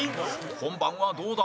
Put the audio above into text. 本番は、どうだ？